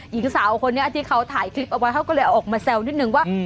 หญิงสาวคนนี้ที่เขาถ่ายคลิปเอาไว้เขาก็เลยเอาออกมาแซวนิดนึงว่า